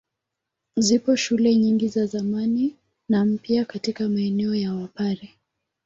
Zipo shule nyingi za zamani na mpya katika maeneo ya Wapare.